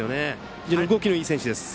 非常に動きのいい選手です。